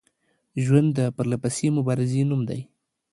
ژوند د پرلپسې مبارزې نوم دی